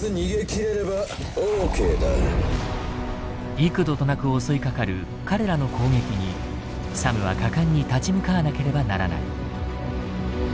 幾度となく襲いかかる彼らの攻撃にサムは果敢に立ち向かわなければならない。